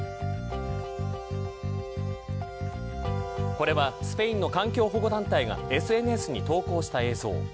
これはスペインの環境保護団体がＳＮＳに投稿した映像。